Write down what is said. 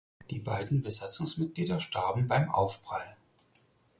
Die beiden Besatzungsmitglieder starben beim Aufprall.